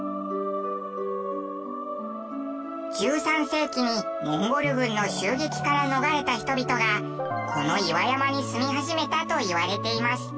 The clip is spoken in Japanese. １３世紀にモンゴル軍の襲撃から逃れた人々がこの岩山に住み始めたといわれています。